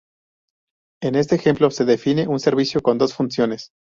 En este ejemplo, se define un servicio con dos funciones.